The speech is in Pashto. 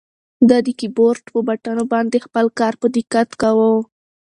ده د کیبورډ په بټنو باندې خپل کار په دقت کاوه.